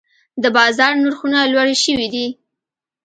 د بازار نرخونه لوړې شوي دي.